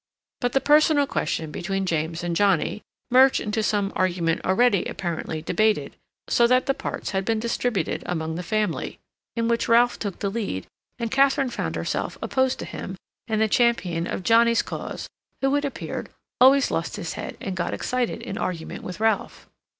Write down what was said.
But the personal question between James and Johnnie merged into some argument already, apparently, debated, so that the parts had been distributed among the family, in which Ralph took the lead; and Katharine found herself opposed to him and the champion of Johnnie's cause, who, it appeared, always lost his head and got excited in argument with Ralph.